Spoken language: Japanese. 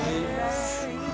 すごい。